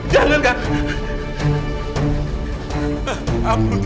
jangan kak amrung